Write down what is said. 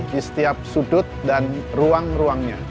di setiap sudut dan ruang ruangnya